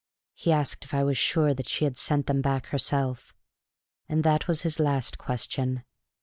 He asked if I was sure that she had sent them back herself; and that was his last question.